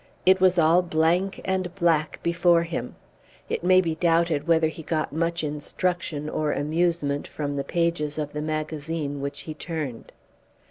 It was all blank and black before him. It may be doubted whether he got much instruction or amusement from the pages of the magazine which he turned.